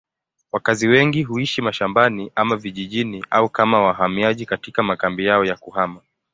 Wakazi wengi huishi mashambani ama vijijini au kama wahamiaji katika makambi yao ya kuhama.